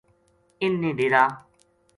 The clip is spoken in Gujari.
اِنھ نے ڈیرا